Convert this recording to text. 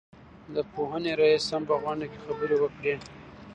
د پوهنې رئيس هم په غونډه کې خبرې وکړې.